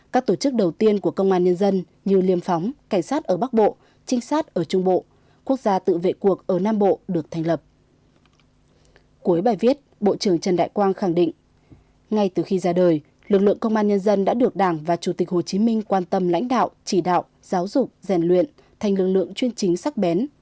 các tổ chức đầu tiên của công an nhân dân như liêm phóng cảnh sát ở bắc bộ trinh sát ở trung bộ quốc gia tự vệ cuộc ở nam bộ được thành lập